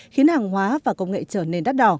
khiến hàng hóa và công nghệ trở nên đắt đỏ